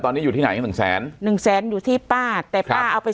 ตอนนี้อยู่ที่ไหนหนึ่งแสนหนึ่งแสนอยู่ที่ป้าแต่ป้าเอาไป